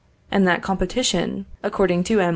and that competition, according to M.